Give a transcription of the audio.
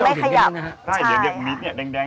ชื่องนี้ชื่องนี้ชื่องนี้ชื่องนี้ชื่องนี้